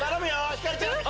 ひかるちゃん。